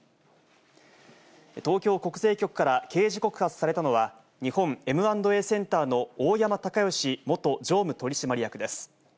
東京国税局から刑事告発されたのは、日本Ｍ＆Ａセンターの、大山敬義元常務取締役です。